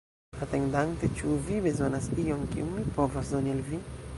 Atendante, ĉu vi bezonas ion, kion mi povas doni al vi?